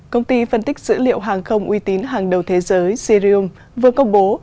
công ty phân tích dữ liệu hàng không uy tín hàng đầu thế giới sirium vừa công bố